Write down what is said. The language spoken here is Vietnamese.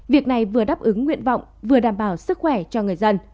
việc này vừa đáp ứng nguyện vọng vừa đảm bảo sức khỏe cho người dân